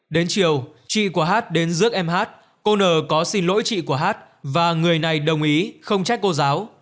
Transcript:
đến chiều chị của hát đến rước em hát cô n có xin lỗi chị của hát và người này đồng ý không trách cô giáo